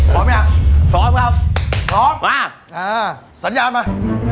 พร้อมยังพร้อมครับพร้อมมาเออสัญญาณมา